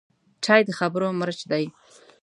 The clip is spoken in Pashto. چای د خبرو مرچ دی